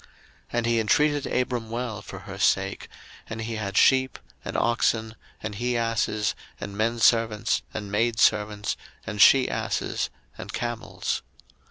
01:012:016 And he entreated Abram well for her sake: and he had sheep, and oxen, and he asses, and menservants, and maidservants, and she asses, and camels.